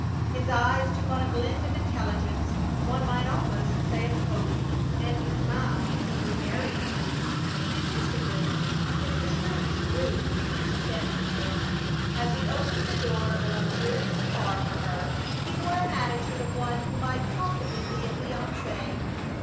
His eyes took on a glint of intelligence, one might almost say of hope, and he smiled egregiously, egotistically. His assurance grew with each step he took. As he opened the door of the luxurious car for her he wore an attitude of one who might possibly be a fiancé.